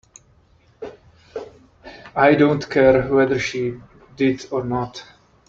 I don't care whether she did or not.